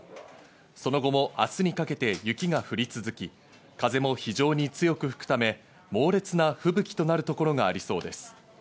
その後も明日にかけて雪が降り続き、風も非常に強く吹くため、猛烈な吹雪となるところがありそうです。